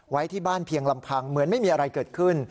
ไว้ที่บ้านเพียงลำพังเหมือนไม่มีอะไรเกิดขึ้น